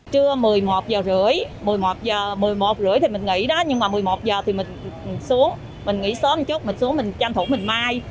trưa một mươi một h ba mươi một mươi một h ba mươi thì mình nghỉ đó nhưng mà một mươi một h thì mình xuống mình nghỉ sớm chút mình xuống mình tranh thủ mình may